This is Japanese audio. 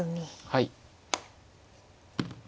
はい。